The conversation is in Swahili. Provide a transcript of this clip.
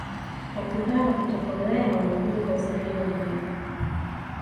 Watu hawa kutoka ulaya Walikuja kwa usafiri wa maji